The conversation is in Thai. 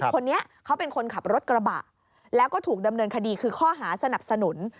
คนนี้เขาเป็นคนขับรถกระบะแล้วก็ถูกดำเนินคดีคือข้อหาสนับสนุน